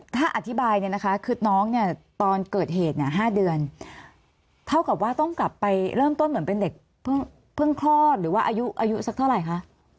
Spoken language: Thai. ถ้าอธิบายเนี่ยนะคะคือน้องเนี่ยตอนเกิดเหตุเนี่ย๕เดือนเท่ากับว่าต้องกลับไปเริ่มต้นเหมือนเป็นเด็กเพิ่งคลอดหรือว่าอายุสักเท่าไหร่คะ